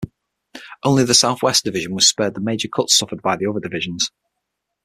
Only the Southwest division was spared the major cuts suffered by the other divisions.